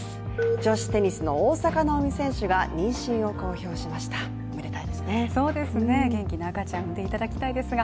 女子テニスの大坂なおみ選手が妊娠を公表しました、おめでたいですね。